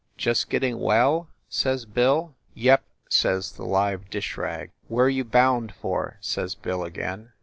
"Just getting well?" says Bill. "Yep," says the live dish rag. "Where you bound for ?" says Bill again.